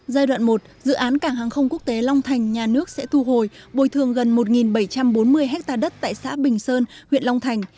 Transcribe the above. giai đoạn một dự án cảng hàng không quốc tế long thành nhà nước sẽ thu hồi bồi thường gần một bảy trăm bốn mươi ha đất tại xã bình sơn huyện long thành